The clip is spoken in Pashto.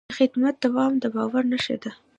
د خدمت دوام د باور نښه ده.